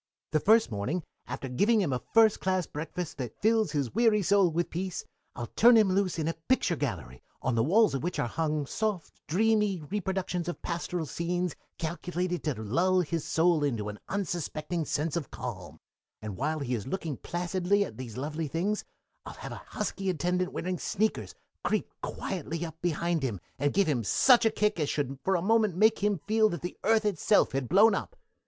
"The first morning, after giving him a first class breakfast that fills his weary soul with peace, I'd turn him loose in a picture gallery on the walls of which are hung soft, dreamy reproductions of pastoral scenes calculated to lull his soul into an unsuspecting sense of calm, and while he is looking placidly at these lovely things I'd have a husky attendant wearing sneakers creep quietly up behind him and give him such a kick as should for a moment make him feel that the earth itself had blown up.